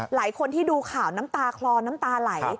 หลายคนที่ดูข่าวน้ำตาคลอน้ำตาไหล